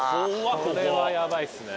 これはヤバいっすね。